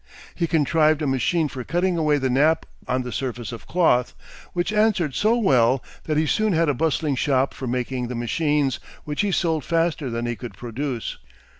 He contrived a machine for cutting away the nap on the surface of cloth, which answered so well that he soon had a bustling shop for making the machines, which he sold faster than he could produce.